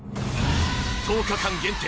１０日間限定